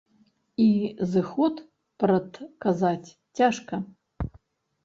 І зыход прадказаць цяжка.